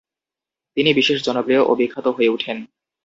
তিনি বিশেষ জনপ্রিয় ও বিখ্যাত হয়ে উঠেন।